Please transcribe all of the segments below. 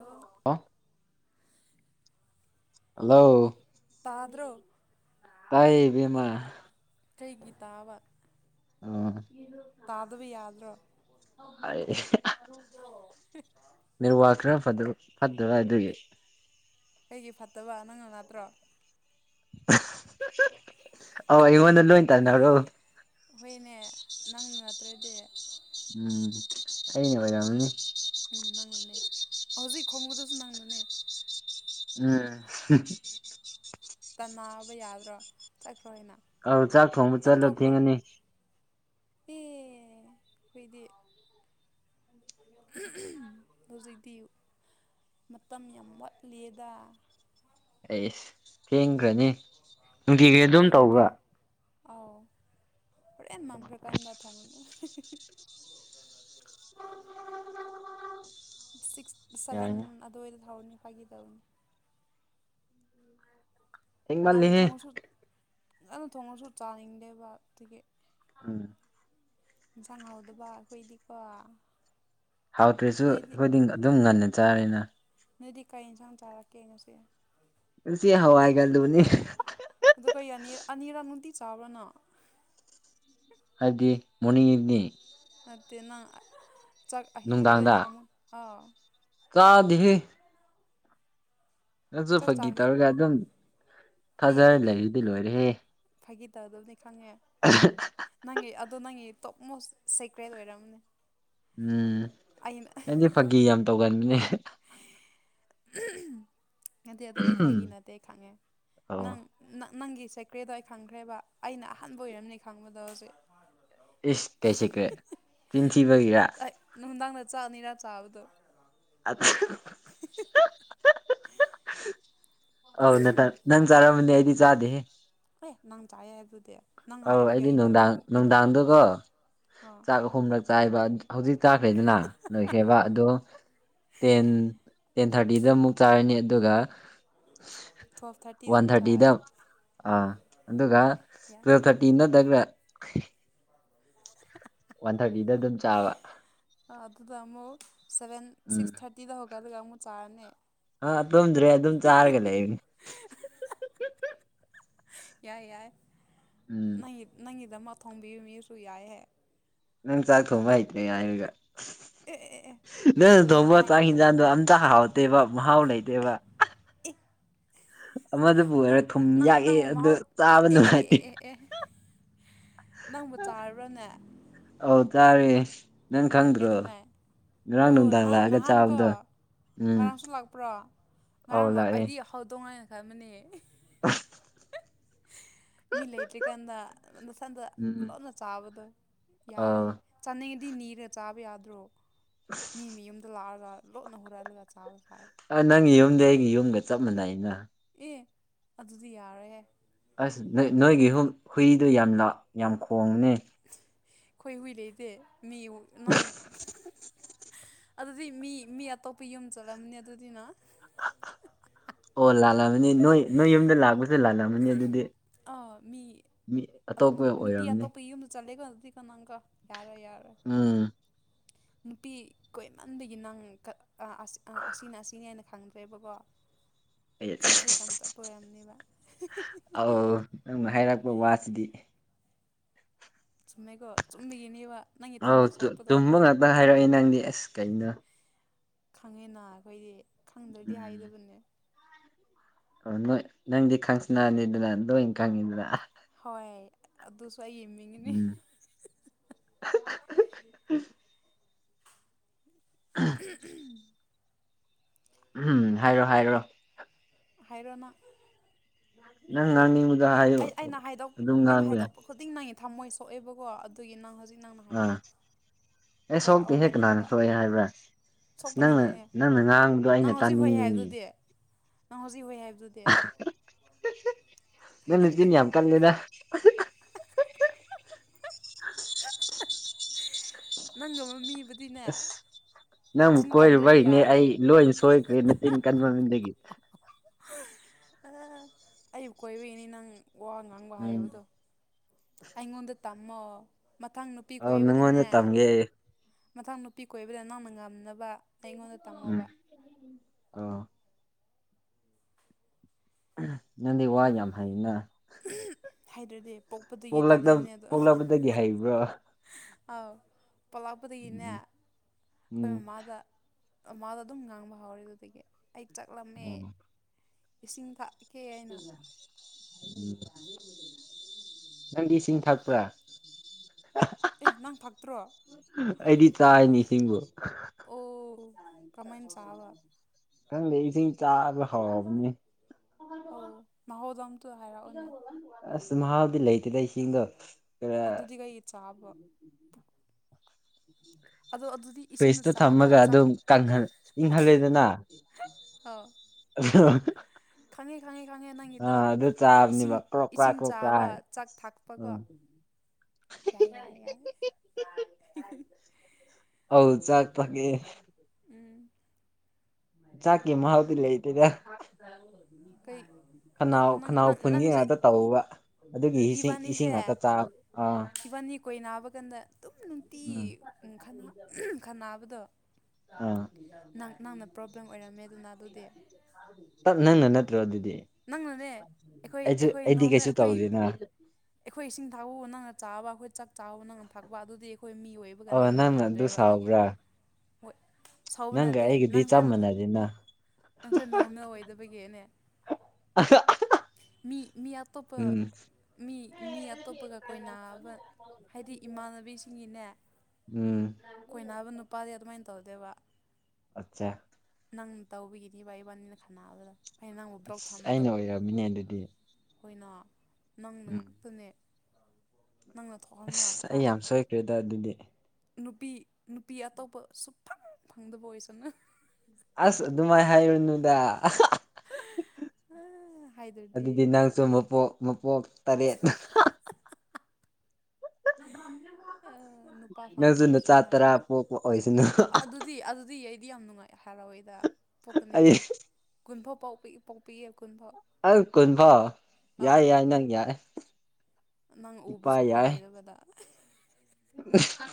ꯑꯣ ꯍꯜꯂꯣ ꯄꯥꯗ꯭ꯔꯣ ꯇꯥꯏ ꯏꯕꯦꯝꯃ ꯀꯩꯒꯤ ꯇꯥꯕ ꯑꯥ ꯇꯥꯗꯕ ꯌꯥꯗ꯭ꯔꯣ [unintelligible] ꯅꯦꯋꯥꯔꯛ ꯈꯔ ꯐꯗ꯭ꯔꯣ ꯐꯠꯇꯔ ꯑꯗꯨꯒꯤ ꯀꯩꯒꯤ ꯐꯠꯇꯕ ꯅꯪꯅ ꯅꯠꯇ꯭ꯔꯣ ꯑꯣ ꯑꯩꯉꯣꯟꯗ ꯂꯣꯏ ꯇꯥꯏꯅꯔꯣ ꯍꯣꯏꯅꯦ ꯅꯪꯅ ꯅꯠꯇ꯭ꯔꯗꯤ ꯎꯝ ꯑꯩꯅ ꯑꯣꯏꯔꯝꯅꯤ ꯎꯝ ꯅꯪꯅꯅꯦ ꯍꯧꯖꯤꯛ ꯈꯣꯡꯉꯨꯗꯨꯁꯨ ꯅꯪꯅꯅꯦ ꯎꯝ [unintelligible] ꯇꯟꯅꯕ ꯌꯥꯗ꯭ꯔꯣ ꯆꯠꯈ꯭ꯔꯣ ꯍꯥꯏꯅ ꯑꯧ ꯆꯥꯛ ꯊꯣꯡꯕ ꯆꯠꯂꯣ ꯇꯟꯊꯣꯛꯈ꯭ꯔꯣ ꯊꯦꯡꯉꯅꯤ ꯑꯦ ꯀꯨꯏꯗꯦ [unintelligible] ꯍꯧꯖꯤꯛꯇꯤ ꯃꯇꯝ ꯌꯥꯝ ꯋꯥꯠꯂꯤꯌꯦꯗ ꯑꯩꯁ ꯊꯦꯡꯈ꯭ꯔꯅꯤ ꯅꯨꯡꯇꯤꯒꯤ ꯑꯗꯨꯝ ꯊꯦꯡꯗꯦ ꯇꯧꯕ꯭ꯔꯥ ꯑꯥꯎ ꯍꯣꯔꯦꯟ ꯃꯥꯡꯈ꯭ꯔꯀꯥꯟꯗ ꯊꯣꯡꯉꯅꯤ ꯁꯤꯛꯁ ꯁꯚꯦꯟ ꯌꯥꯏꯅꯦ ꯑꯗꯨꯋꯥꯏꯗ ꯊꯧꯔꯅꯤ ꯐꯒꯤ ꯇꯧꯅꯤ ꯉꯥꯅꯨ ꯊꯦꯡꯃꯜꯂꯤꯍꯦ ꯊꯣꯡꯉꯁꯨ ꯉꯥꯅꯨ ꯊꯣꯡꯉꯁꯨ ꯆꯥꯅꯤꯡꯗꯦꯕ ꯑꯗꯒꯤ ꯎꯝ ꯌꯦꯟꯁꯥꯡ ꯍꯥꯎꯗꯕ ꯑꯩꯈꯣꯏꯗꯤꯀꯣ ꯍꯥꯎꯇ꯭ꯔꯦꯁꯨ ꯅꯣꯏꯗꯤ ꯑꯩꯈꯣꯏꯗꯤ ꯑꯗꯨꯝ ꯉꯟꯅ ꯆꯥꯔꯦꯅ ꯅꯣꯏꯗꯤ ꯀꯩ ꯌꯦꯟꯁꯥꯡ ꯆꯥꯔꯛꯀꯦ ꯉꯁꯤ ꯄꯨꯁꯤ ꯍꯋꯥꯏꯒ ꯑꯥꯂꯨꯅꯤ ꯑꯗꯨꯒ [unintelligible] ꯑꯅꯤꯔꯛ ꯅꯨꯡꯇꯤ ꯆꯥꯎꯕꯔꯥ ꯅꯪ ꯍꯥꯏꯗꯤ ꯃꯣꯅꯤꯡꯗꯅꯤ ꯅꯠꯇꯦ ꯅꯪ ꯆꯥꯛ ꯑꯍꯤꯡ ꯍꯣꯔꯦꯟ ꯑꯃꯨꯛ ꯑꯥꯎ ꯀꯥꯗꯦꯍꯦ ꯑꯗꯨꯁꯨ ꯆꯥꯛ ꯐꯥꯒꯤ ꯆꯥꯈ꯭ꯔꯦ ꯇꯧꯔꯒ ꯑꯗꯨꯝ ꯑꯦ ꯊꯥꯖꯔ ꯑꯦ ꯑꯦ ꯂꯩꯔꯗꯤ ꯂꯣꯏꯔꯦꯍꯦ ꯐꯥꯒꯤ ꯇꯧꯒꯗꯕꯅꯤ ꯈꯪꯉꯦ [unintelligible] ꯅꯪꯒꯤ ꯑꯗꯣ ꯅꯪꯒꯤ ꯇꯣꯞ ꯃꯣꯁ ꯁꯦꯀ꯭ꯔꯦꯠ ꯑꯣꯏꯔꯝꯅꯦ ꯎꯝ ꯑꯩꯅ ꯑꯩꯗꯤ ꯐꯥꯒꯤ ꯌꯥꯝ ꯇꯧꯒꯟꯅꯦ ꯅꯠꯇꯦ ꯑꯗꯨꯗꯤ ꯐꯒꯤ ꯅꯠꯇꯦ ꯈꯪꯉꯦ ꯅꯪ ꯑꯣ ꯅ ꯅꯪꯒꯤ ꯁꯦꯀ꯭ꯔꯦꯗꯣ ꯑꯩ ꯈꯪꯈ꯭ꯔꯦꯕ ꯑꯩꯅ ꯑꯍꯥꯟꯕ ꯑꯣꯏꯔꯝꯅꯤ ꯈꯪꯕꯗꯣ ꯍꯧꯖꯤꯛ ꯏꯁ ꯀꯩ ꯁꯤꯀ꯭ꯔꯦꯠ ꯆꯤꯟꯊꯤꯕꯒꯤꯔ ꯑꯩ ꯅꯨꯡꯗꯥꯡꯗ ꯆꯥꯛ ꯑꯅꯤꯔꯥ ꯆꯥꯕꯗꯣ [unintelligible] [unintelligible] ꯑꯥꯎ ꯅꯇꯟ ꯅꯟ ꯆꯔꯃꯅꯤ ꯑꯩꯗꯤ ꯆꯥꯗꯦꯍꯦ ꯑꯩ ꯅꯪ ꯆꯥꯏꯑꯦ ꯍꯥꯏꯕꯗꯨꯗꯤ ꯅꯪ ꯑꯧ ꯍꯥꯏꯕꯒꯤ ꯑꯩꯗꯤ ꯑꯩꯅ ꯅꯨꯡꯗꯥꯡ ꯑꯃꯨꯛ ꯀꯩꯅꯣ ꯇꯧꯕ ꯋꯥꯅꯤ ꯅꯨꯡꯗꯥꯡꯗꯨꯒꯣ ꯑꯥ ꯆꯥꯛ ꯑꯍꯨꯝꯔꯛ ꯆꯥꯏꯕ ꯍꯧꯖꯤꯛ ꯆꯥꯛꯈ꯭ꯔꯦꯗꯅ ꯅꯣꯏꯈ꯭ꯔꯦꯕ ꯑꯗꯣ ꯇꯦꯟ ꯇꯦꯟ ꯊꯥꯔꯇꯤꯗ ꯑꯃꯨꯛ ꯆꯥꯔꯅꯤ ꯑꯗꯨꯒ ꯊꯣꯞ ꯊꯔꯇꯤꯗ ꯑꯃꯨ ꯆꯥꯔꯅꯤ ꯑ ꯑꯗꯨꯒ ꯌꯥꯏ ꯇꯨꯌꯦꯜꯞ ꯊꯥꯔꯇꯤꯟ ꯅꯠꯇꯒ꯭ꯔ ꯋꯥꯟ ꯊꯥꯔꯇꯤꯗ ꯑꯗꯨꯝ ꯆꯥꯕ ꯑ ꯑꯗꯨꯗ ꯑꯃꯨꯛ ꯁꯚꯦꯟ ꯎꯝ ꯁꯤꯛꯁ ꯊꯥꯔꯇꯤꯗ ꯍꯧꯒꯠꯂꯒ ꯑꯃꯨꯛ ꯆꯥꯔꯅꯤ ꯑ ꯇꯨꯝꯗ꯭ꯔꯦ ꯑꯗꯨꯝ ꯆꯥꯔꯒ ꯂꯩꯅꯦ ꯌꯥꯏ ꯌꯥꯏ ꯎꯝ ꯅꯪꯒꯤ ꯅꯪꯒꯤꯗꯃ ꯊꯣꯝꯕꯤꯕ ꯃꯤꯁꯨ ꯌꯥꯏꯍꯦ ꯅꯪ ꯆꯥꯛ ꯊꯣꯡꯕ ꯍꯩꯇ꯭ꯔꯦ ꯍꯥꯏꯕꯒꯤ ꯑꯦ ꯑꯦ ꯑꯦ ꯅꯪꯅ ꯀꯅꯥ ꯊꯣꯡꯕ ꯆꯥꯛ ꯍꯥꯏꯔꯤꯕ ꯏꯟꯖꯥꯡꯗꯣ ꯑꯝꯇ ꯍꯥꯎꯇꯦꯕ ꯃꯍꯥꯎ ꯂꯩꯇꯦꯕ ꯑꯃꯗꯕꯨ ꯑꯣꯏꯔꯣ ꯅꯪ ꯊꯨꯝ ꯅꯪ ꯌꯥꯛꯑꯦ ꯅꯪ ꯑꯗꯨ ꯃꯍꯥꯎ ꯆꯥꯕ ꯑꯦ ꯑꯦ ꯑꯦ ꯅꯨꯡꯉꯥꯏꯇꯦ ꯑꯦ ꯑꯦ ꯅꯪꯕꯨ ꯆꯥꯔꯨꯨꯕꯔꯅꯦ ꯑꯧ ꯇꯥꯔꯦ ꯅꯪ ꯑꯦ ꯈꯪꯗ꯭ꯔꯣ ꯀꯩꯗꯧꯉꯩ ꯉꯔꯥꯡ ꯑꯣ ꯅꯨꯡꯗꯥꯡ ꯅꯍꯥꯟ ꯂꯥꯛꯑꯒ ꯅꯍꯥꯟꯀꯣ ꯆꯥꯕꯗꯣ ꯎꯝ ꯉꯔꯥꯡꯁꯨ ꯂꯥꯛꯄ꯭ꯔꯣ ꯑꯧ ꯉꯔꯥꯡ ꯑ ꯂꯥꯛꯑꯦ ꯑꯩꯗꯤ ꯍꯧꯗꯣꯡ ꯍꯥꯏꯅ ꯈꯟꯕꯅꯦ ꯑ ꯃꯤ ꯂꯩꯇ꯭ꯔꯤꯀꯥꯟꯗ ꯅꯁꯟꯗ ꯎꯝ ꯂꯣꯟꯅ ꯆꯥꯕꯗꯣ ꯑꯧ ꯌꯥꯔꯦꯍꯦ ꯆꯥꯅꯤꯡꯉꯤꯗꯤ ꯅꯤꯔ ꯆꯥꯕ ꯌꯥꯗ꯭ꯔꯣ ꯃꯤ ꯃꯤꯌꯨꯝꯗ ꯂꯥꯛꯑꯒ ꯂꯣꯠꯅ ꯍꯨꯔꯜꯂꯒ ꯆꯥꯕ ꯐꯥꯏ ꯑ ꯅꯪꯒꯤ ꯌꯨꯝꯗꯤ ꯑꯩꯒꯤ ꯌꯨꯝꯒ ꯆꯞ ꯃꯥꯟꯅꯩꯩꯅ ꯑꯦ ꯑꯗꯨꯗꯤ ꯌꯥꯔꯣꯏꯍꯦ ꯑꯁ ꯅꯣꯏ ꯅꯣꯏꯒꯤ ꯍꯨꯝ ꯍꯨꯏꯗꯨ ꯌꯥꯝꯅ ꯌꯥꯝ ꯈꯣꯡꯅꯦ ꯑꯈꯣꯏ ꯍꯨꯏ ꯂꯩꯗꯦ ꯃꯤ ꯅꯪ ꯑꯗꯨꯗꯤ ꯃꯤ ꯃꯤ ꯑꯇꯣꯞꯄ ꯌꯨꯝ ꯆꯠꯂꯝꯅꯤ ꯑꯗꯨꯗꯤꯅ ꯑꯣ ꯂꯥꯜꯂꯕꯅꯤ ꯅꯣꯏ ꯅꯣꯏ ꯌꯨꯝꯗ ꯂꯥꯛꯄ ꯑꯥ ꯃꯤ ꯃꯤ ꯑꯠ ꯅꯨ ꯑꯇꯣꯞꯄ ꯅꯨꯄꯤ ꯑꯣꯏꯔꯝꯅꯤ ꯑꯇꯣꯞꯄꯩ ꯌꯨꯝꯗ ꯆꯠꯂꯦꯒꯣ ꯑꯗꯤ ꯁꯅꯪꯀ ꯌꯥꯔꯣꯢ ꯌꯥꯔꯣꯢ ꯎꯝ ꯅꯨꯄꯤ ꯀꯣꯏꯃꯟꯕꯒꯤ ꯅꯪ ꯀ ꯑ ꯑꯁ ꯑ ꯑꯁꯤꯅ ꯑꯁꯤꯅꯤ ꯍꯥꯏꯅ ꯈꯪꯗ꯭ꯔꯦꯕꯀꯣ ꯀꯟꯐ꯭ꯌꯨꯁ ꯌꯥꯝ ꯆꯠꯄ ꯑꯣꯏꯔꯝꯅꯦꯕ ꯑꯥꯎ ꯅꯪꯅ ꯍꯥꯏꯔꯛꯄ ꯋꯥꯁꯤꯗꯤ ꯆꯨꯝꯃꯦꯀꯣ ꯆꯨꯝꯕꯤꯒꯤꯅꯦꯕ ꯑꯧ ꯇꯨ ꯇꯨꯝꯕ ꯉꯥꯛꯇ ꯍꯥꯏꯔꯛꯏ ꯅꯪꯗꯤ ꯑꯁ ꯀꯩꯅꯣ ꯈꯪꯉꯦꯅ ꯑꯈꯣꯏꯗꯤ ꯈꯪꯗ꯭ꯔꯗꯤ ꯎꯝ ꯍꯥꯏꯗꯕꯅꯦ ꯑꯣ ꯅꯣꯏ ꯅꯪꯗꯤ ꯈꯪꯁꯅꯥꯅꯤꯗꯅ ꯂꯣꯏ ꯈꯪꯉꯤꯗꯅ ꯑꯥ ꯍꯣꯏ ꯑꯗꯨꯁꯨ ꯑꯩꯒꯤ ꯃꯤꯡꯅꯤ ꯎꯝ [unintelligible] ꯎꯝꯍꯨꯝ ꯍꯥꯏꯔꯣ ꯍꯥꯏꯔꫭ ꯍꯥꯏꯔꫭꯅꯥ ꯅꯪ ꯉꯥꯡꯅꯤꯡꯕꯗꫭ ꯍꯥꯏꯌꯨ ꯑꯩ ꯑꯩꯅ ꯍꯥꯏꯗꯣꯛ ꯑꯗꯨꯝ ꯑꯩꯅ ꯉꯥꯡꯕ ꯌꯥꯏ ꯍꯥꯏꯗꯣꯛꯄ ꯈꯨꯗꯤꯡ ꯅꯪꯒꯤ ꯊꯝꯃꯣꯏ ꯁꯣꯛꯑꯦꯕꯀꯣ ꯑꯗꯨ ꯑꯗꯨꯒꯤ ꯅꯪ ꯍꯧꯖꯤꯛ ꯅꯪꯅ ꯍꯥꯏꯔꯛꯑꯣ ꯑꯥ ꯍꯥꯏꯔꯛꯑꯣ ꯍꯥꯏꯅꯤꯡꯕꯥ ꯒꯔꯤ ꯍꯥꯏꯕ꯭ꯔꯥ ꯑꯁ ꯁꯣꯛꯄꯅꯤ ꯅꯪꯅ ꯈꯪꯉꯦ ꯅꯪꯅ ꯉꯥꯡꯕꯗꯣ ꯑꯩꯅ ꯅꯪ ꯍꯧꯖꯤꯛ ꯍꫭꯏ ꯇꯥꯅꯤꯡꯉꯤꯅꯦ ꯍꯥꯏꯕꯗꯨꯗꯤ ꯅꯪ ꯍꯧꯖꯤꯛ ꯍꫭꯏ ꯍꯥꯏꯕꯗꯨꯗꯤ ꯅꯪ ꯅꯨꯆꯤꯟ ꯌꯥꯝ ꯀꯥꯟꯂꯤꯗ ꯑ [unintelligible] ꯅꯪꯒꯨꯝꯕꯥ ꯃꯤꯕꯨꯗꯤꯅꯦ ꯑꯁ ꯅꯪꯕꯨ ꯆꯤꯟ ꯀꯟꯗ꯭ꯔꯗꯤ ꯀꯣꯏꯔꯨꯕꯩꯅ‌ꯦ ꯑꯩ ꯌꯥꯔꯣꯏ ꯂꯣꯏꯅ ꯁꯣꯏꯈ꯭ꯔꯦ ꯅꯆꯤꯟ ꯀꯟꯃꯟꯕꯒꯤ ꯑꯩꯕꯨ ꯀꯣꯏꯕꯩꯅꯤ ꯅꯪ ꯋꯥ ꯉꯥꯡꯕ ꯎꯝ ꯍꯥꯏꯕꯗꯣ ꯑꯩꯉꯣꯟꯗ ꯇꯝꯃꯣ ꯃꯊꯪ ꯅꯨꯄꯤ ꯑꯧ ꯅꯪꯉꯣꯟꯗ ꯀꯣꯏꯕꯗꯅꯦ ꯇꯝꯒꯦ ꯑꯩ ꯃꯊꯪ ꯅꯨꯄꯤ ꯀꯣꯏꯕꯗ ꯅꯪꯅꯥ ꯉꯝꯅꯕ ꯑꯩꯉꯣꯟꯗ ꯎꯝ ꯇꯝꯃ‌ꯦꯕꯥ ꯑꯧ ꯅꯪꯗꯤ ꯋꯥ ꯌꯥꯝ ꯍꯩꯅ ꯍꯩꯇ꯭ꯔꯗꯤ ꯄꯣꯛꯄꯗꯒꯤ ꯄꯣꯛꯂꯛꯇ ꯇꯥꯛꯂꯦꯅꯦ ꯑꯗꯣ ꯄꯣꯛꯂꯛꯄꯗꯒꯤ ꯍꯩꯕ꯭ꯔꯣ ꯑꯥꯎ ꯄꯣꯛꯂꯛꯄꯗꯒꯤꯅꯦ ꯎꯝ ꯑꯩꯈꯣꯏ ꯎꯝ ꯃꯃꯥꯗ ꯃꯃꯥꯗ ꯑꯗꯨꯝ ꯉꯥꯡꯕ ꯍꯧꯔꯦ ꯑꯗꯨꯗꯒꯤ ꯑꯩ ꯆꯥꯛ ꯂꯥꯝꯃꯦ ꯏꯁꯤꯡ ꯊꯥꯛ ꯁꯤ [unintelligible] ꯎꯝ ꯅꯪꯗꯤ ꯏꯁꯤꯡ ꯊꯛꯄ꯭ꯔꯥ ꯑꯦ ꯅꯪ ꯊꯛꯇ꯭ꯔꯣ ꯑꯩꯗꯤ ꯆꯥꯏꯅꯤ ꯏꯁꯤꯡꯕꯨ ꯑꯣ ꯀꯃꯥꯏꯅꯥ ꯆꯕꯥ ꯀꯪꯗ‌ꯦ ꯏꯁꯤꯡ ꯆꯕꯥ ꯍꯧꯔꯥꯕꯅ‌ꯦ ꯑꯧ ꯃꯍꯥꯎꯗꯣ ꯑꯝꯇꯥ ꯍꯥꯏꯔꯛꯑꯣꯅꯦ ꯑꯁ ꯃꯍꯥꯎꯗꯤ ꯂꯩꯇꯦꯗꯥ ꯏꯁꯤꯡꯗꯣ ꯈꯔ ꯑꯗꯨꯗꯤ ꯀꯩꯒꯤ ꯆꯥꯕ ꯑꯗꯣ ꯑꯗꯨꯗꯤ ꯏꯁꯤꯡꯅ ꯐ꯭ꯔꯤꯁꯇꯥ ꯆꯥꯕ ꯊꯝꯃꯒ ꯆꯥꯛ ꯑꯗꯨꯝ ꯀꯪꯍꯟ ꯏꯪꯍꯜꯂꯦꯗꯅ ꯑꯥ [unintelligible] ꯈꯪꯉꯦ ꯈꯪꯉꯦ ꯈꯪꯉꯦ ꯅꯪꯒꯤꯗꯣ ꯑꯥ ꯑꯗꯨ ꯏꯁꯤꯡ ꯆꯥꯕꯅꯦꯕ ꯀ꯭ꯔꯣꯛ ꯀ꯭ꯔꯥꯛ ꯏꯁꯤꯡ ꯀ꯭ꯔꯣꯛ ꯀ꯭ꯔꯥꯛ ꯆꯥꯕ ꯍꯥꯏꯔ ꯆꯥꯛ ꯊꯥꯛꯄꯀꯣ ꯎꯝ ꯌꯥꯏ ꯌꯥꯏ ꯌꯥꯏ ꯑꯧ ꯆꯥꯛ ꯊꯛꯑ‌ꯦ ꯎꯝ ꯆꯥꯛꯀꯤ ꯃꯍꯥꯎꯗꯤ ꯂꯩꯇꯦꯗ ꯀꯩ ꯑ ꯈꯅꯥꯎ ꯅꯪ ꯈꯅꯥꯎ ꯅꯪ ꯐꯨꯟꯒꯤ ꯅꯪꯁꯦ ꯉꯥꯛꯇ ꯇꯧꯕ ꯑꯗꯨꯒꯤ ꯏꯁꯤꯡ ꯏꯁꯤꯡ ꯉꯥꯛꯇ ꯆꯥ ꯑꯥ ꯀꯣꯏ ꯅꯥꯕ ꯀꯥꯟꯗ ꯑꯗꯨꯝ ꯎꯝ ꯅꯨꯡꯇꯤ ꯈꯟ ꯅꯥꯕꯗꯣ ꯑꯥ ꯅꯪ ꯅꯪꯅ ꯄ꯭ꯔꯣꯕ꯭ꯂꯦꯝ ꯑꯣꯏꯔꯝꯃꯦꯗꯅꯥ ꯑꯗꯨꯗꯤ ꯇꯠ ꯅꯪꯅ ꯅꯠꯇ꯭ꯔꯣ ꯑꯗꯨꯗꯤ ꯅꯪꯅꯅꯦ ꯑꯩꯈꯣꯏ ꯑꯩꯁꯨ ꯑꯩꯈꯣꯏ ꯑꯩꯗꯤ ꯅꯣꯔꯃꯦꯜ ꯀꯩꯁꯨ ꯑꯩꯈꯣꯏ ꯇꯧꯗꯦꯅ ꯑꯩꯈꯣꯏ ꯏꯁꯤꯡ ꯊꯥꯛꯄꯕꯨ ꯅꯪꯅ ꯆꯥꯕ ꯑꯩꯈꯣꯏ ꯆꯥꯛ ꯆꯥꯕꯕꯨ ꯅꯪꯅ ꯊꯥꯛꯄ ꯑꯗꯨꯗꯤ ꯑꯩꯈꯣꯏ ꯃꯤ ꯑꯣꯏꯕ ꯕꯒ ꯑꯣ ꯅꯪ ꯅꯪꯅ ꯑꯗꯨ ꯃꯥꯟꯅꯗ꯭ꯔꯦꯕ ꯑꯗꯨꯒꯤ ꯁꯥꯎꯕ꯭ꯔꯥ ꯍꯣꯏ ꯁꯥꯎꯕ ꯅꯪꯒ ꯅꯠꯇꯦ ꯑꯩꯒꯗꯤ ꯅꯪꯁꯦ ꯆꯞ ꯃꯥꯟꯅꯗꯦꯅ ꯅꯪꯁꯦ ꯅꫭꯔ [unintelligible] ꯑꯣꯏꯗꯕꯒꯤꯅꯦ [unintelligible] ꯃꯤ ꯃꯤ ꯑꯇꯣꯞꯄ ꯎꯝ ꯃꯤ ꯃꯤ ꯑꯇꯣꯞꯄꯒ ꯀꯣꯏꯅꯕ ꯍꯥꯏꯗꯤ ꯏꯃꯥꯟꯅꯕꯤꯁꯤꯡꯒꯤꯅꯦ ꯎꯝ ꯀꯣꯏꯅꯕ ꯅꯨꯄꯥꯗꯤ ꯑꯗꯨꯃꯥꯏꯟ ꯇꯧꯗꯦꯕ ꯑꯠꯆꯥ ꯅꯪ ꯇꯧꯕꯤꯒꯤꯅꯤꯕ ꯏꯕꯥꯅꯤꯅ ꯈꯟꯅꯕꯗꯣ ꯑꯩꯅ ꯅꯪꯕꯨ ꯕ꯭ꯂꯣꯛ ꯑꯁ ꯊꯝꯕꯗꯣ ꯑꯩꯅ ꯑꯣꯏꯔꯝꯃꯤꯅꯦ ꯑꯗꯨꯗꯤ ꯈꯣꯏꯅ ꯅꯪꯅ ꯎꯝ ꯉꯥꯛꯇꯅꯦ ꯅꯪꯅ ꯊꯣꯛꯍꯟꯕ ꯑꯁ ꯉꯥꯛꯇ ꯑꯩ ꯌꯥꯝ ꯁꯣꯏꯈ꯭ꯔꯦꯗ ꯑꯗꯨꯗꯤ ꯅꯨꯄꯤ ꯅꯨꯄꯤ ꯑꯇꯣꯞꯄ ꯁꯨꯞꯐꯪ ꯐꯪꯗꯕ ꯑꯣꯏꯁꯅꯨ ꯑꯁ ꯑꯗꯨꯃꯥꯏ ꯍꯥꯏꯌꯨꯅꯨꯗ ꯍꯥꯏꯗ꯭ꯔꯗꯤ ꯑꯗꯨꯗꯤ ꯅꯪꯁꯨ ꯃꯄꯣꯛ ꯃꯄꯣꯛ ꯇꯔꯦꯠ ꯑꯥ ꯅꯨꯄꯥ ꯅꯪꯁꯨ ꯐꯪꯗꯕ ꯅꯆꯥ ꯑꯣꯏꯁꯅꯨ ꯇꯔꯥ ꯍꯥꯏꯌꯣ ꯄꯣꯛꯄ ꯑꯣꯏꯁꯅꯨ ꯑꯗꯨ ꯗꯤ ꯑꯗꯨꯗꯤ ꯑꯩꯗꯤ ꯌꯥꯝ ꯅꯨꯡꯉꯥꯏ ꯍꯥꯏꯔꯥꯎꯋꯦꯗ ꯄꯣꯛꯀꯥꯅꯤ ꯑꯩ ꯀꯨꯟꯐꯥꯎ ꯄꯣꯛꯄꯤ ꯄꯣꯛꯄꯤꯌꯦ ꯀꯨꯟꯐꯥꯎ ꯑꯥ ꯀꯨꯟ ꯐꯥꯎ ꯑꯥꯎ ꯌꯥꯏ ꯌꯥꯏ ꯅꯪ ꯌꯥꯔꯦ ꯅꯪ ꯎꯕꯁꯨ ꯐꯪꯂꯣꯏꯗꯕꯗ [unintelligible]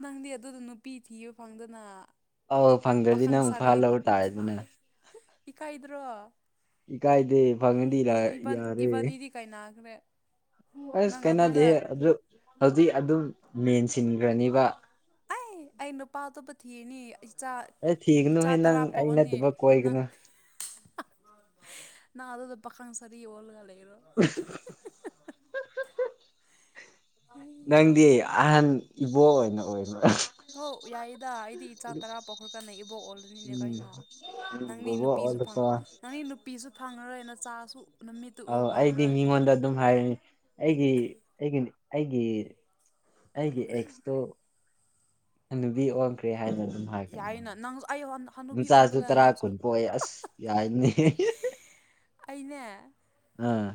ꯅꯪꯗꯤ ꯑꯗꯨꯗꯨ ꯅꯨꯄꯤ ꯊꯤꯕ ꯐꯪꯗꯅ ꯑꯥꯎ ꯐꯪꯗ꯭ꯔꯥꯗꯤ ꯄꯥꯈꯪ ꯅꯪ ꯑꯃꯨꯛ ꯐꯥ ꯁꯥꯔꯤ ꯂꯧ ꯇꯥꯔꯦꯗꯅ ꯏꯀꯥꯏꯗ꯭ꯔꯣ ꯏꯀꯥꯏꯗꯦ ꯐꯪꯉꯗꯤ ꯂꯥ ꯏꯕꯥꯟ ꯌꯥꯔꯦ ꯏꯕꯥꯅꯤꯗꯤ ꯀꯥꯏꯅꯈ꯭ꯔꯦ ꯑꯁ ꯅꯪ ꯑꯗꯨꯗ ꯀꯩꯅꯗꯦꯍꯦ ꯑꯗꯨ ꯍꯧꯖꯤꯛ ꯑꯗꯨꯝ ꯃꯦꯟꯁꯤꯟꯒ꯭ꯔꯥꯅꯤꯕ ꯑꯩ ꯑꯩ ꯅꯨꯄꯥ ꯑꯇꯣꯞꯄ ꯊꯤꯔꯅꯤ [unintelligible] ꯆꯥ ꯑꯦ ꯏꯆꯥ ꯊꯤꯒꯅꯨꯍꯦ ꯅꯪ ꯇꯔꯥ ꯑꯩ ꯄꯣꯛꯑꯅꯤ ꯅꯠꯇꯕ ꯅꯪ ꯀꯣꯏꯒꯅꯨ ꯅꯪ ꯑꯗꯨꯗꯨ ꯄꯈꯪ ꯁꯔꯤ ꯑꯣꯜꯂꯒ ꯂꯩꯔꯣ [unintelligible] [inaudible] ꯅꯪꯗꯤ ꯑꯍꯟ ꯏꯕꯣ ꯑꯣꯏꯅ ꯑꯣꯏꯔꯨꯔꯣ ꯍꯣ ꯌꯥꯏꯌꯦꯗ ꯑꯩꯗꯤ ꯏꯆꯥ ꯇꯔꯥ ꯄꯣꯛꯈ꯭ꯔꯥꯀꯥꯟꯗ ꯏꯕꯣꯛ ꯑꯣꯜꯂꯅꯤꯅꯦ ꯎꯝ ꯀꯩꯅꯣ ꯅꯪꯗꯤ ꯕꯣꯕꯣꯛ ꯅꯨꯄꯤꯁꯨ ꯐꯪ ꯑꯣꯜꯂꯨꯀꯣ ꯅꯪꯗꯤ ꯅꯨꯄꯤꯁꯨ ꯐꯪꯉꯔꯣꯏ ꯅꯆꯥꯁꯨ ꯅꯨꯃꯤꯠꯇꯨ ꯎ ꯑꯥꯎ ꯑꯩꯗꯤ ꯐꯪꯉꯔꯣꯏ ꯃꯤꯉꯣꯟꯗ ꯑꯗꯨꯝ ꯍꯥꯏꯔꯅꯤ ꯑꯩꯒꯤ ꯑꯩꯒꯤ ꯑꯩꯒꯤ ꯑꯩꯒꯤ ꯑꯦꯛꯁ ꯇꯣ ꯍꯥꯅꯨꯕꯤ ꯑꯣꯟꯈ꯭ꯔꯦ ꯍꯥꯏꯅ ꯑꯗꯨꯝ ꯌꯥꯏꯅ ꯍꯥꯏꯒꯅꯤꯅ ꯅꯪꯁꯨ ꯑꯩ ꯍꯅꯨꯕꯤ ꯑꯣꯟꯕ ꯅꯆꯥꯖꯨ ꯀꯥꯟꯗ ꯇꯔꯥ ꯅꯪꯁꯨ ꯀꯨꯟ ꯄꯣꯛꯑꯦ ꯑꯁ ꯌꯥꯏꯅꯦ ꯑꯩꯅꯦ ꯑꯥ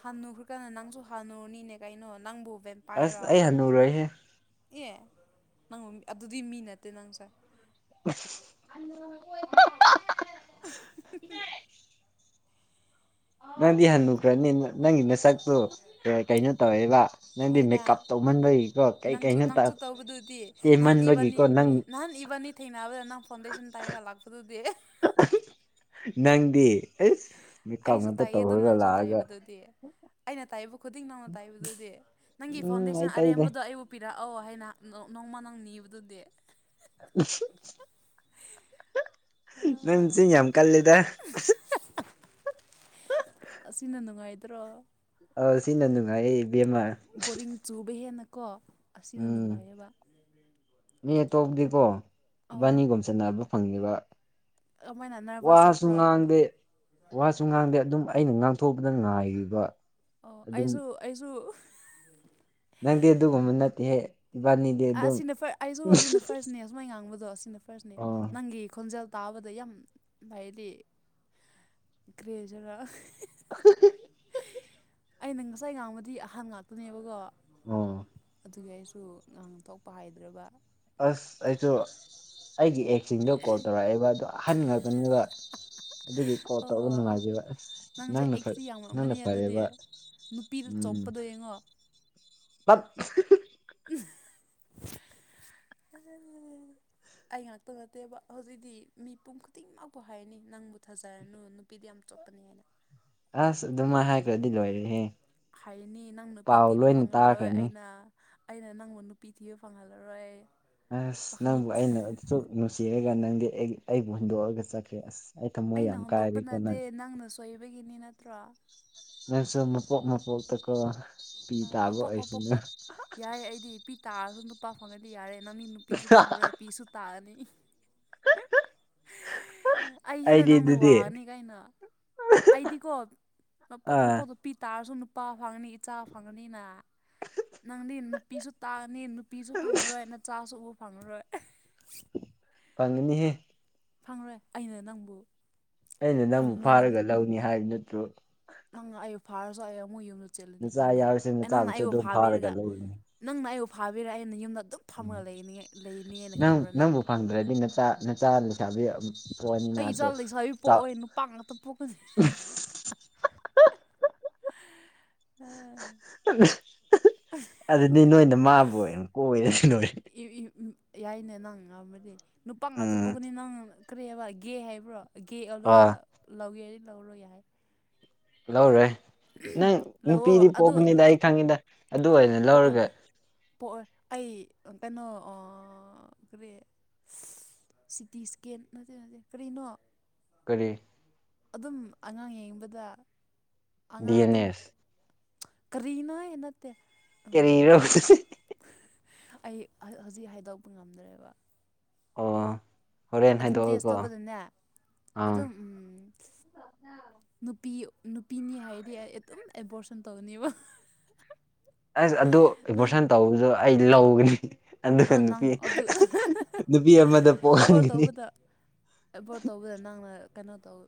ꯍꯥꯟꯅꯨꯈ꯭ꯔꯥꯀꯥꯟꯅ ꯅꯪꯁꯨ ꯍꯥꯟꯅꯨꯔꯅꯤꯅꯦ ꯀꯩꯅꯣ ꯅꯪꯕꯨ ꯕꯦꯝ ꯑꯁ ꯑꯩ ꯍꯟꯅꯨꯔꯣꯏꯍꯦ ꯑꯦ ꯅꯪ ꯑꯗꯨꯗꯤ ꯃꯤ ꯅꯠꯇꯦ ꯅꯪꯁꯦ [unintelligible] [unintelligible] [unintelligible] ꯅꯪꯗꯤ ꯍꯟꯅꯨꯈ꯭ꯔꯅꯤ ꯅ ꯅꯪꯒꯤ ꯅꯁꯛꯇꯨ ꯀꯩꯅꯣ ꯇꯧꯔꯦꯕ ꯅꯪꯗꯤ ꯍꯣꯏꯗ ꯃꯦꯀꯞ ꯇꯧꯃꯟꯕꯒꯤꯀꯣ ꯀꯩ ꯅꯪꯁꯨ ꯀꯩꯅꯣ ꯅꯪꯁꯨ ꯇꯧꯕꯗꯨꯗꯤ ꯅꯍꯥꯟ ꯏꯕꯥꯅꯤ ꯇꯦꯟꯃꯟꯕꯒꯤꯀꯣ ꯅꯪ ꯅꯍꯥꯟ ꯏꯕꯥꯅꯤ ꯊꯦꯡꯅꯕꯗ ꯅꯪ ꯐꯥꯎꯟꯦꯁꯟ ꯊꯩꯔꯒ ꯂꯥꯛꯄꯗꯨꯗꯤ ꯅꯪꯗꯤ ꯑꯩꯁ ꯃꯤꯀꯞ ꯑꯩꯁꯨ ꯉꯥꯛꯇ ꯇꯥꯏꯌꯦ ꯑꯗꯨ ꯇꯧꯔꯒ ꯅꯪꯁꯨ ꯂꯥꯛꯑꯒ ꯇꯥꯏꯕꯗꯨꯗꯤ ꯑꯩꯅ ꯇꯥꯏꯕ ꯈꯨꯗꯤꯡ ꯅꯪꯅ ꯇꯥꯏꯕꯗꯨꯗꯤ ꯅꯪꯒꯤ ꯎꯝ ꯑꯩ ꯐꯥꯎꯟꯗꯦꯁꯟ ꯇꯩꯗꯦ ꯑꯔꯦꯝꯕꯗꯣ ꯑꯩꯕꯨ ꯄꯤꯔꯛꯑꯣ ꯍꯥꯏꯅ ꯅꯣꯡꯃ ꯅꯪ ꯅꯤꯕꯗꯨꯗꯤ ꯅꯪ ꯆꯤꯟ ꯌꯥꯝ ꯀꯜꯂꯤꯗ ꯑꯁꯤꯅ ꯅꯨꯡꯉꯥꯏꯇ꯭ꯔꯣ ꯑ ꯁꯤꯅ ꯅꯨꯡꯉꯥꯏꯌꯦ ꯕꯦꯝꯃꯥ ꯕꯣꯔꯤꯡ ꯆꯨꯕ ꯍꯦꯟꯅꯀꯣ ꯑꯁꯤꯅ ꯎꯝ ꯅꯨꯡꯉꯥꯏꯌꯦꯕ ꯃꯤ ꯑꯇꯣꯞꯗꯤꯀꯣ ꯑꯣ ꯏꯕꯥꯅꯤꯒꯨꯝ ꯆꯟꯅꯕ ꯐꯪꯉꯤꯕ ꯀꯃꯥꯏꯅ ꯅꯔꯚꯁ ꯋꯥꯁꯨ ꯆꯠꯄ꯭ꯔꯣ ꯉꯥꯡꯗꯦ ꯋꯥꯁꯨ ꯉꯥꯡꯗꯦ ꯑꯗꯨꯝ ꯑꯩꯅ ꯉꯥꯡꯊꯣꯛꯄꯗ ꯉꯥꯏꯔꯤꯕ ꯑꯣ ꯑꯗꯨꯝ ꯑꯩꯁꯨ ꯑꯩꯁꯨ ꯅꯪꯗꯤ ꯑꯗꯨꯒꯨꯝꯕ ꯅꯠꯇꯦꯍꯦ ꯏꯕꯥꯅꯤꯗꯤ ꯑꯗꯨꯝ ꯑꯁꯤꯅ ꯑꯩꯁꯨ ꯑꯁꯤꯅ ꯐꯥꯔꯁꯅꯦ ꯑꯨꯃꯥꯏ ꯉꯥꯡꯕꯗꯣ ꯑꯁꯤꯅ ꯐꯥꯔꯁꯅꯦ ꯑꯣ ꯅꯪꯒꯤ ꯈꯣꯟꯖꯦꯜ ꯇꯥꯕꯗ ꯌꯥꯝ ꯂꯥꯏꯂꯤ ꯀꯔꯤ ꯍꯥꯏꯖꯤꯔ ꯑꯩꯅ ꯉꯁꯥꯏ ꯉꯥꯡꯕꯗꯤ ꯑꯍꯥꯟ ꯉꯥꯛꯇꯅꯦꯕꯀꯣ ꯑꯣ ꯑꯗꯨꯒꯤ ꯑꯩꯁꯨ ꯉꯍꯥꯡ ꯊꯣꯛꯄ ꯍꯥꯏꯇꯔꯕ ꯑꯁ ꯑꯩꯁꯨ ꯑꯩꯒꯤ ꯑꯦꯛꯁꯤꯡꯗ ꯀꯣꯜ ꯇꯧꯔꯛꯑꯦꯕ ꯑꯗꯣ ꯑꯍꯟ ꯉꯥꯛꯇꯅꯤꯕ ꯑꯗꯨꯒꯤ ꯀꯣꯜ ꯇꯧꯕ ꯑꯣ ꯅꯨꯡꯉꯥꯏꯖꯦꯕ ꯑꯁ ꯅꯪꯁꯦ ꯅꯪꯅ ꯅꯪꯅ ꯐꯔꯦꯕ ꯅꯨꯄꯤꯗꯨ ꯆꯣꯞꯄꯗꯣ ꯌꯦꯡꯉꯣ ꯇꯠ [unintelligible] ꯑꯩ ꯉꯥꯛꯇ ꯅꯠꯇꯦꯕ ꯍꯧꯖꯤꯛꯇꯤ ꯃꯤꯄꯨꯝ ꯈꯨꯗꯤꯡꯃꯛꯄꯨ ꯍꯥꯏꯔꯅꯤ ꯅꯪꯕꯨ ꯊꯥꯖꯔꯅꯨ ꯅꯨꯄꯤꯗꯤ ꯌꯥꯝ ꯆꯣꯠꯄꯅꯤ ꯍꯥꯏꯅ ꯑꯁ ꯑꯗꯨꯃꯥꯏ ꯍꯥꯏ ꯍꯥꯏꯅꯤ ꯅꯪ ꯅꯨꯄꯤ ꯄꯥꯎ ꯇꯤꯕ ꯂꯣꯏꯅ ꯐꯪꯍꯜꯂꯣꯏ ꯇꯥꯈ꯭ꯔꯅꯤ ꯑꯩꯅ ꯑꯩꯅ ꯅꯪꯕꯨ ꯅꯨꯄꯤ ꯊꯤꯕ ꯐꯪꯍꯜꯂꯔꯣꯏ ꯑꯁ ꯄꯥꯈꯪ ꯅꯪꯕꯨ ꯑꯩꯅ ꯑꯗꯨꯁꯨꯛ ꯅꯨꯡꯁꯤꯔꯒ ꯅꯪꯗꯤ ꯑꯩ ꯑꯩꯕꯨ ꯍꯨꯟꯗꯣꯛꯑꯒ ꯆꯠꯈꯔꯦ ꯑꯁ ꯑꯩ ꯊꯝꯃꯣꯏ ꯌꯥꯝ ꯀꯥꯏꯔꯦꯀꯣ ꯅꯪ ꯀꯣꯏꯕꯒꯤꯅꯤ ꯅꯠꯇ꯭ꯔꯣ ꯅꯪꯁꯨ ꯃꯄꯣꯛ ꯃꯄꯣꯛꯇꯀꯣ ꯄꯤ ꯇꯥꯕ ꯃꯄꯣꯛ ꯑꯣꯏꯁꯅꯣ ꯃꯄꯣꯛꯇ ꯌꯥꯏ ꯑꯩꯗꯤ ꯄꯤ ꯇꯥꯔꯁꯨ ꯅꯨꯄꯥ ꯐꯪꯉꯗꯤ ꯌꯥꯔꯦ ꯅꯪꯒꯤ ꯅꯨꯄꯤꯁꯨ ꯐꯪꯉꯔꯣꯏ ꯄꯤꯁꯨ ꯇꯥꯔꯑꯅꯤ ꯑꯩ ꯍꯦꯟꯅ ꯑꯩꯗꯤ ꯅꯪꯅ ꯑꯗꯨꯗꯤ ꯋꯥꯉꯅꯤ ꯀꯩꯅꯣ ꯑꯩꯗꯤꯀꯣ ꯃꯄꯣꯛ ꯑꯥ ꯃꯄꯣꯛ ꯅꯨꯄꯤ ꯇꯥꯔꯁꯨ ꯅꯨꯄꯥ ꯐꯪꯉꯅꯤ ꯏꯆꯥ ꯐꯪꯉꯅꯤꯅ ꯅꯪꯗꯤ ꯅꯄꯤꯁꯨ ꯇꯥꯒꯅꯤ ꯅꯨ ꯅꯨꯄꯤꯁꯨ ꯐꯪꯉꯔꯣꯏ ꯅꯆꯥꯁꯨ ꯑꯨꯕ ꯐꯪꯉꯔꯣꯏ ꯐꯪꯒꯅꯤꯍꯦ ꯐꯪꯒꯔꯣꯏ ꯑꯩꯅ ꯅꯪꯕꯨ ꯑꯩꯅ ꯅꯪꯕꯨꯛ ꯐꯪꯅꯨ ꯍꯥꯏꯅ ꯐꯥꯔꯒ ꯂꯧꯅꯤ ꯍꯥꯏꯕ ꯅꯠꯇ꯭ꯔꯣ ꯅꯪꯅ ꯑꯩꯕꯨ ꯐꯥꯔꯁꯨ ꯑꯌꯨꯡ ꯑꯃꯨꯛ ꯌꯨꯝꯗ ꯆꯤꯠꯂꯅꯤ ꯅꯆꯥ ꯀꯩꯅꯣ ꯌꯥꯎꯔꯤꯁꯦ ꯑꯩ ꯅꯪꯅ ꯅꯆꯥꯕꯨꯁꯨ ꯑꯩꯕꯨ ꯑꯗꯨꯝ ꯐꯥꯔꯒ ꯐꯥꯕꯤꯔꯒ ꯂꯧꯔꯤꯅꯤ ꯅꯪꯅ ꯑꯩꯕꯨ ꯐꯥꯕꯤꯔ ꯑꯩꯅ ꯌꯨꯝꯗ ꯑꯗꯨꯝ ꯐꯝꯃꯒ ꯎꯝ ꯂꯩꯅꯤ ꯂꯩꯅꯦꯅ ꯅꯪ ꯈꯟꯕ꯭ꯔꯥꯅꯪ ꯅꯪꯕꯨ ꯐꯪꯗ꯭ꯔꯗꯤ ꯅꯆꯥ ꯅꯆꯥ ꯂꯩꯁꯥꯕꯤ ꯄꯣꯛꯑꯅꯤꯅ ꯑꯩ ꯏꯆꯥ ꯑꯗꯣ ꯂꯩꯁꯥꯕꯤ ꯆꯥꯎ ꯄꯣꯛꯑꯣꯏ ꯅꯨꯄꯥ ꯉꯥꯛꯇ ꯄꯣꯛꯀꯅꯤ ꯑꯥ ꯑꯗꯨꯅꯤ ꯅꯣꯏꯅ ꯃꯥꯕꯨ ꯑꯣꯏꯅ ꯀꯣꯏꯔꯒ ꯂꯣꯏ [unintelligible] ꯌꯥꯏꯅꯦ ꯅꯪ ꯉꯝꯔꯗꯤ ꯅꯨꯄꯥ ꯉꯥꯛꯇ ꯎꯝ ꯄꯣꯛꯒꯅꯤ ꯅꯪ ꯀꯔꯤ ꯍꯥꯏꯕ ꯒꯦ ꯍꯥꯏꯕ꯭ꯔꯣ ꯒꯦ ꯑꯣꯜꯂꯒ ꯑꯥ ꯂꯧꯒꯦ ꯌꯥꯏ ꯂꯧꯔꯣꯏ ꯌꯥꯏ ꯂꯧꯔꯣꯏ ꯅꯪ ꯂꯧꯑꯣ ꯅꯨꯄꯤꯗꯤ ꯑꯗꯨ ꯄꯣꯛꯀꯅꯤꯗ ꯑꯩ ꯈꯪꯉꯤꯗ ꯑꯗꯨ ꯑꯣꯏꯅ ꯄꯣꯛꯑꯣꯏ ꯂꯧꯔꯒ ꯄꯣꯛꯑꯣꯏ ꯑꯩ ꯀꯩꯅꯣ ꯑꯣ ꯀꯔꯤ ꯁꯤ ꯇꯤ ꯁꯀꯦꯟ ꯅꯠꯇꯦ ꯅꯠꯇꯦ ꯀꯔꯤꯅꯣ ꯀꯔꯤ ꯑꯗꯨꯝ ꯑꯉꯥꯡ ꯌꯦꯡꯕꯗ ꯗꯤ ꯑꯉꯥꯡ ꯑꯦꯟ ꯑꯗꯨꯝ ꯑꯦꯁ ꯀꯔꯤꯅꯣꯌꯦ ꯅꯠꯇꯦ ꯀꯔꯤꯔꯣ ꯑꯩ ꯍꯧꯖꯤꯛ ꯍꯥꯏꯗꯣꯛꯄ ꯉꯝꯗ꯭ꯔꯦꯕ ꯑꯣ ꯍꯣꯔꯦꯟ ꯑꯗꯨꯝ ꯇꯦꯁ ꯍꯥꯏꯗꯣꯛꯑꯣꯀꯣ ꯇꯧꯕꯗꯅꯦ ꯑꯥ ꯑꯗꯨꯝ ꯎꯝ ꯅꯨꯄꯤ ꯅꯨꯄꯤꯅꯤ ꯍꯥꯏꯔꯗꯤ ꯑꯩ ꯑꯗꯨꯝ ꯑꯦꯕꯣꯔꯁꯟ ꯇꯧꯅꯦꯕ ꯑꯁ ꯑꯗꯨ ꯏꯚꯣꯔꯁꯟ ꯇꯧꯕꯗꯣ ꯑꯩ ꯂꯧꯒꯅꯤ ꯑꯗꯨꯒ ꯅꯪ ꯅꯨꯄꯤ ꯑꯗꯨ ꯅꯨꯄꯤ ꯑꯃꯗ ꯑꯦꯕꯣꯔꯠ ꯄꯣꯛꯍꯟꯈꯤꯅꯤ ꯇꯧꯕꯗ ꯑꯦꯕꯣꯔꯠ ꯇꯧꯕꯗ ꯅꯪꯅ ꯀꯩꯅꯣ ꯇꯧ